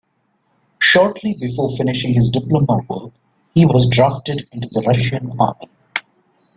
Shortly before finishing his diploma work he was drafted into the Russian army.